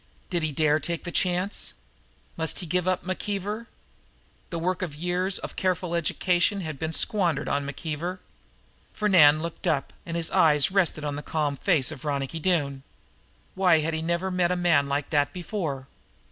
Did he dare take the chance? Must he give up McKeever? The work of years of careful education had been squandered on McKeever. Fernand looked up, and his eyes rested on the calm face of Ronicky Doone. Why had he never met a man like that before?